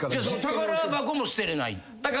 宝箱も捨てれない？